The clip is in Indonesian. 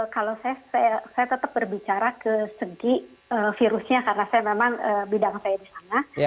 kalau saya tetap berbicara ke segi virusnya karena saya memang bidang saya di sana